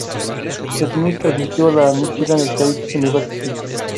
Smith asistió a la Michigan State University.